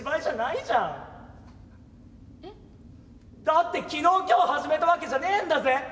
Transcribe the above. だって昨日今日始めたわけじゃねえんだぜ？